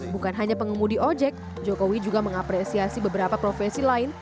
bukan hanya pengemudi ojek jokowi juga mengapresiasi beberapa profesi lain